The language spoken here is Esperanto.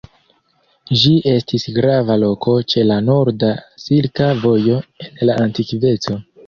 Ĝi estis grava loko ĉe la norda Silka Vojo en la antikveco.